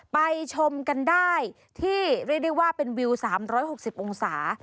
ไปชมกันได้ที่เรียกได้ว่าเป็นวิว๓๖๐องศา